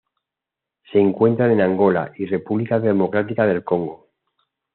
Se encuentran en Angola y República Democrática del Congo.